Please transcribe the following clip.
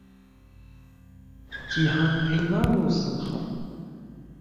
جیهان پهیما بوو سم خڕ